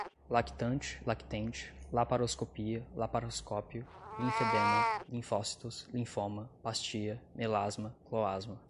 lactante, lactente, laparoscopia, laparoscópio, linfedema, linfócitos, linfoma, pastia, melasma, cloasma